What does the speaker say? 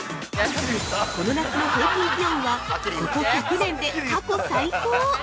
◆この夏の平均気温は、ここ１００年で過去最高！